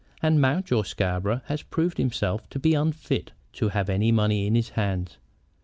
And Mountjoy Scarborough has proved himself to be unfit to have any money in his hands.